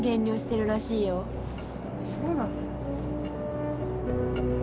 そうなの？